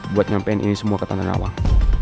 buat nyampein ini semua ke tante nawang